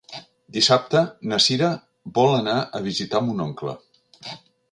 Dissabte na Cira vol anar a visitar mon oncle.